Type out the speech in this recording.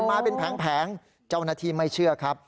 มาเป็นแผงเจ้าหน้าที่ไม่เชื่อครับ